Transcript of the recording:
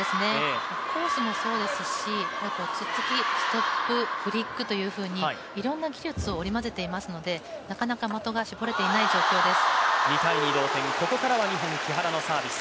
コースもそうですし、ツッツキ、ストップ、フリックというふうにいろんな技術を織り交ぜていますのでなかなか的が絞り込めていない状況です。